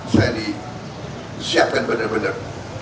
saya disiapkan benar benar